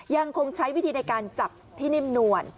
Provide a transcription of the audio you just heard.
ยังคงใช้วิธีในการจับที่นิ่มนวล